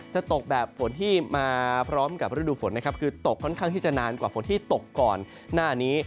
จะตกแบบฝนที่มาพร้อมกับฤดูฝนนะครับคือตกค่อนข้างที่จะนานกว่าฝนที่ตกก่อนหน้านี้